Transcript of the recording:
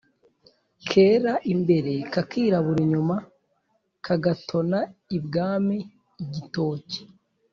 Kera imbere kakirabura inyuma kagatona ibwami-Igitoki.